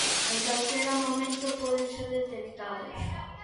En calquera momento poden ser detectados.